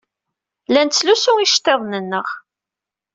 La nettlusu iceḍḍiḍen-nneɣ.